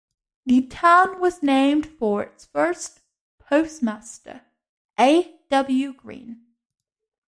The town was named for its first postmaster, A. W. Green.